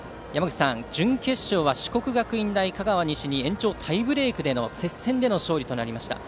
準決勝は四国学院香川西に延長タイブレークでの接戦での勝利となりました。